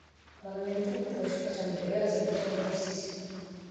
Монументтин курулушу качан бүтөөрү азырынча белгисиз.